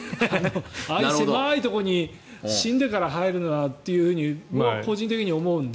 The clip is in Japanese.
ああいう狭いところに死んでから入るのはなと個人的には思うので。